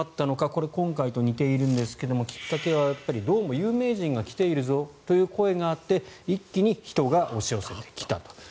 これは今回と似ているんですがきっかけはどうも有名人が来ているぞという声があって一気に人が押し寄せてきたと。